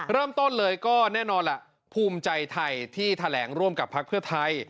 เริ่มต้นเลยก็แน่นอนล่ะภูมิใจไทยที่แถลงร่วมกับพักเพื่อไทย